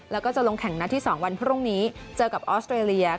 แล้วก็จะลงแข่งนัดที่๒วันพรุ่งนี้เจอกับออสเตรเลีย